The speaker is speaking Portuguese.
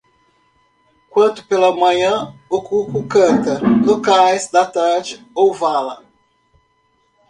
Quando pela manhã o cuco canta, no cais da tarde ou vala.